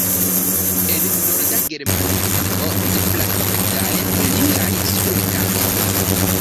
En Norda Germanlando videblas multaj liaj skulptaĵoj.